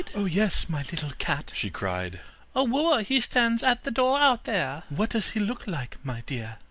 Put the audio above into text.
'Oh, yes, my little cat,' she cried. 'A wooer he stands at the door out there.' 'What does he look like, my dear?